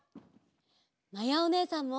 まやおねえさんも！